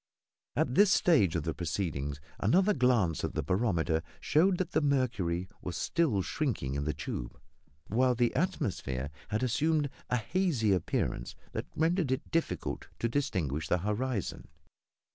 At this stage of the proceedings another glance at the barometer showed that the mercury was still shrinking in the tube, while the atmosphere had assumed a hazy appearance that rendered it difficult to distinguish the horizon.